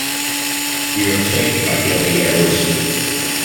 We are plagued by daily errors.